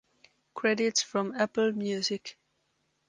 Credits from Apple Music